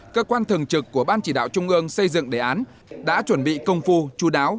cơ quan thường trực của ban chỉ đạo trung ương xây dựng đề án đã chuẩn bị công phu chú đáo